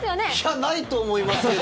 ないと思いますけど。